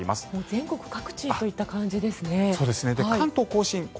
全国各地といった感じですね。